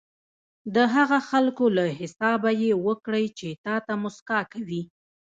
د هغه خلکو له حسابه یې وکړئ چې تاته موسکا کوي.